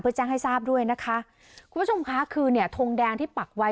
เพื่อแจ้งให้ทราบด้วยนะคะคุณผู้ชมค่ะคือเนี่ยทงแดงที่ปักไว้